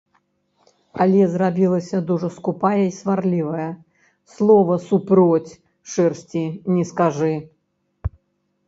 Але зрабілася дужа скупая і сварлівая, слова супроць шэрсці не скажы.